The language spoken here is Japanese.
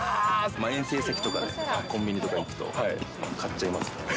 遠征先とかで、コンビニとか行くと、買っちゃいますね。